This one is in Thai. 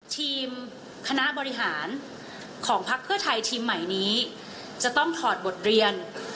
ทีมคณะบริหารของพักเพื่อไทยทีมใหม่นี้จะต้องถอดบทเรียน